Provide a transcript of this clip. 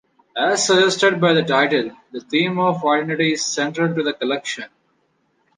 As suggested by the title, the theme of identity is central to the collection.